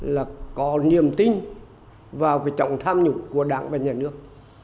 là có niềm tin vào cái trọng tham nhũng của đảng và nhà nước